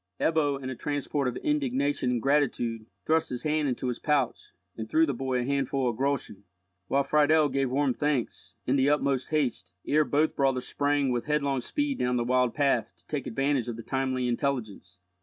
Ebbo, in a transport of indignation and gratitude, thrust his hand into his pouch, and threw the boy a handful of groschen, while Friedel gave warm thanks, in the utmost haste, ere both brothers sprang with headlong speed down the wild path, to take advantage of the timely intelligence.